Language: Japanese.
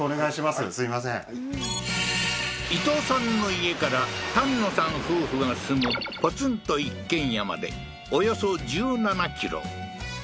はい伊藤さんの家からタンノさん夫婦が住むポツンと一軒家までおよそ１７ｋｍ